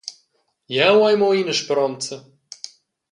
Jeu hai mo ina speronza.